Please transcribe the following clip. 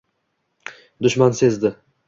Dushman sezdi